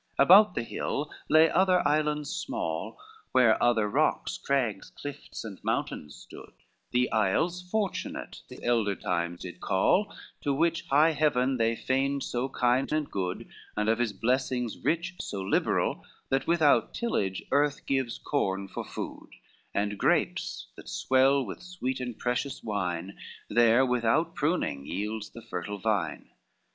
XXXV About the hill lay other islands small, Where other rocks, crags, cliffs, and mountains stood, The Isles Fortunate these elder time did call, To which high Heaven they reigned so kind and good, And of his blessings rich so liberal, That without tillage earth gives corn for food, And grapes that swell with sweet and precious wine There without pruning yields the fertile vine.